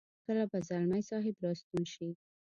کله به ځلمی صاحب را ستون شي.